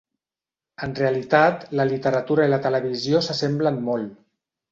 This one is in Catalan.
En realitat, la literatura i la televisió s'assemblen molt.